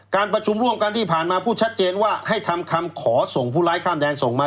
การประชุมร่วมกันที่ผ่านมาพูดชัดเจนว่าให้ทำคำขอส่งผู้ร้ายข้ามแดนส่งมา